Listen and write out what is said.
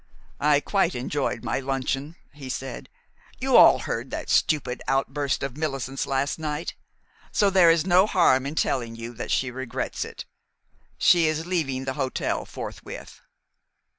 "I quite enjoyed my luncheon," he said. "You all heard that stupid outburst of Millicent's last night; so there is no harm in telling you that she regrets it. She is leaving the hotel forthwith."